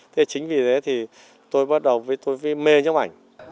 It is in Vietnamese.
thế chính vì thế thì tôi bắt đầu với mê nhiếp ảnh